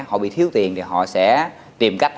họ bị thiếu tiền thì họ sẽ tìm cách